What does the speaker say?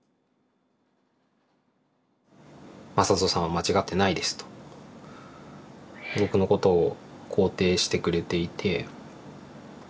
「まさとさんは間違っていないです」と僕のことを肯定してくれていて。